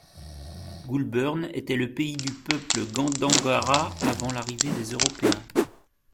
Goulburn était le pays du peuple Gandangara avant l'arrivée des Européens.